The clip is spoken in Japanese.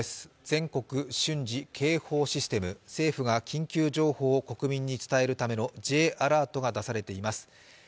全国瞬時警報システム、政府が緊急情報を国民に伝えるためのＪアラートが出されています。